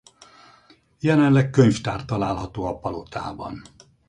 Jelenleg könyvtár található a palotában.